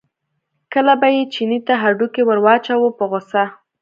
کله به یې چیني ته هډوکی ور واچاوه په غوسه.